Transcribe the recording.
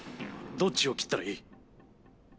どっちを切ったらいい？